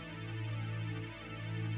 oh itu orangnya